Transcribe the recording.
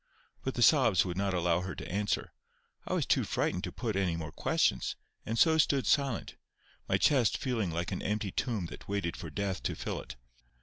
But the sobs would not allow her to answer. I was too frightened to put any more questions, and so stood silent—my chest feeling like an empty tomb that waited for death to fill it.